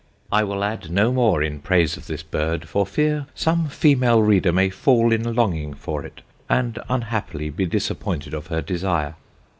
I will adde no more in praise of this Bird, for fear some female Reader may fall in longing for it, and unhappily be disappointed of her desire."